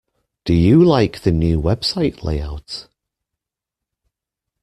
Do you like the new website layout?